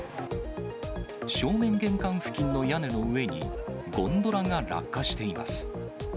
正面玄関付近の屋根の上にゴンドラが落下しています。